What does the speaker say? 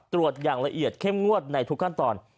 ตรวจอย่างละเอียดเข้มงวดในทุกขั้นตอน